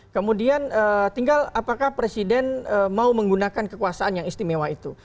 kemudian tinggal apakah presiden mau menggunakan kekuasaan yang istimewa itu